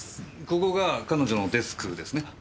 ここが彼女のデスクですね？